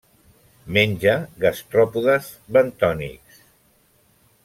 Menja gastròpodes bentònics.